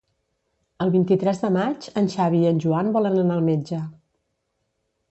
El vint-i-tres de maig en Xavi i en Joan volen anar al metge.